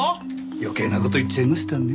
余計な事言っちゃいましたね。